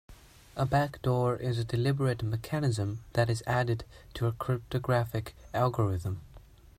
A backdoor is a deliberate mechanism that is added to a cryptographic algorithm.